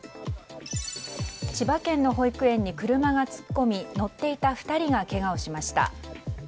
千葉県の保育園に車が突っ込み乗っていた２人がけがをしました。